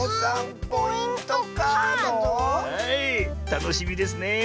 たのしみですねえ。